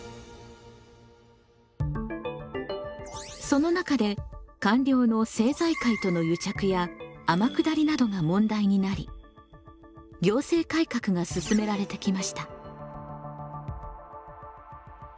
その中で官僚の政財界との癒着や天下りなどが問題になり行政改革が進められてきました。